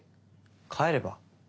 帰れば？